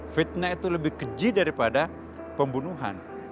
fitnah itu lebih keji daripada pembunuhan